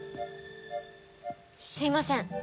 すいません。